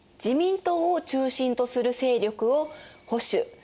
自民党を中心とする勢力を「保守」。